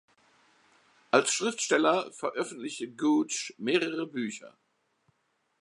Als Schriftsteller veröffentlichte Gooch mehrere Bücher.